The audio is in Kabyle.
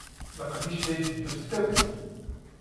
Leqdic la iteddu s ttawil.